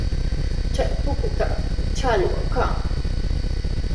Chay pukyutrawmi challwa kan.